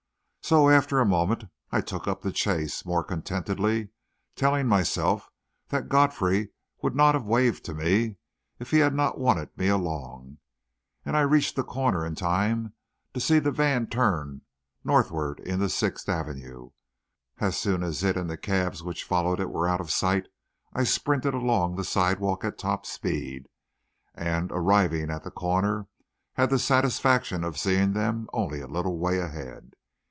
So, after a moment, I took up the chase more contentedly, telling myself that Godfrey would not have waved to me if he had not wanted me along, and I reached the corner in time to see the van turn northward into Sixth Avenue. As soon as it and the cabs which followed it were out of sight, I sprinted along the sidewalk at top speed, and, on arriving at the corner, had the satisfaction of seeing them only a little way ahead.